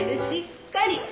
しっかり！